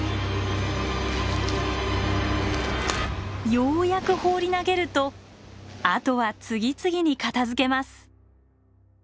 ようやく放り投げるとあとは次々に片づけます。